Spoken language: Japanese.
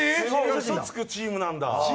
うそつくチームなんだ。